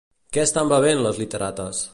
Què estan bevent les literates?